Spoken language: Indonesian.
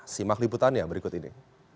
simak liputan yang berikut ini